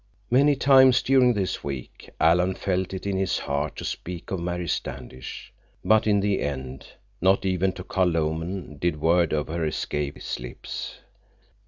Many times during this week Alan felt it in his heart to speak of Mary Standish. But in the end, not even to Carl Lomen did word of her escape his lips.